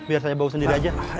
biar saya bawa sendiri aja